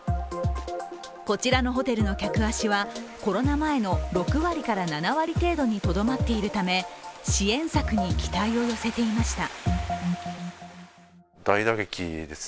こちらのホテルの客足はコロナ前の６７割にとどまっているため支援策に期待を寄せていました。